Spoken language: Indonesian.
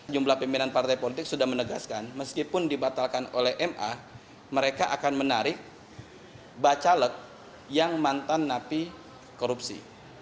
jumlah pimpinan partai politik sudah menegaskan meskipun dibatalkan oleh ma mereka akan menarik bacalek yang mantan napi korupsi